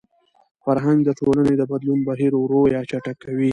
فرهنګ د ټولني د بدلون بهیر ورو يا چټک کوي.